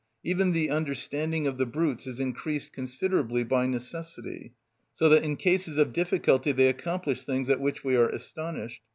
Even the understanding of the brutes is increased considerably by necessity, so that in cases of difficulty they accomplish things at which we are astonished.